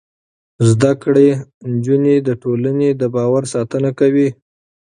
زده کړې نجونې د ټولنې د باور ساتنه کوي.